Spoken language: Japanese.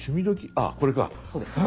あこれか。